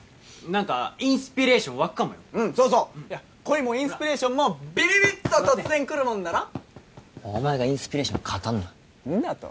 何かインスピレーション湧くかもようんそうそう恋もインスピレーションもビビビッと突然くるもんだろ座ってお前がインスピレーション語んなんだと！？